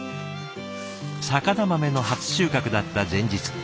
肴豆の初収穫だった前日。